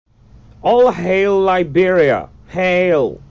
All Hail, Liberia, Hail!